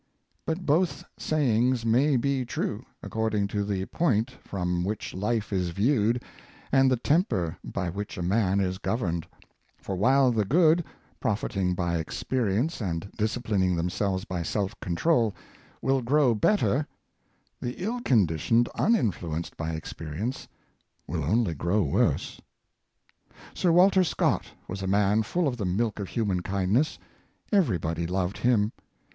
But both sayings may be true, according to the point from which life is viewed and the temper by which a man is governed; for while the good, profiting by experience, and disciplining themselves by self control, will grow bet ter, the ill conditioned, uninfluenced by experience, will only grow worse. Sir Walter Scott was a man full of the milk of hu man kindness. Every body loved him.